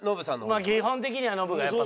まあ基本的にはノブがやっぱ。